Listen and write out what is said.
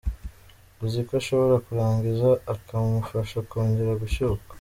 uzi ko ashora kurangiza ukamufasha kongera gushyukwa.